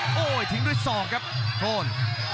โอ้โหทิ้งด้วยศอกครับโทน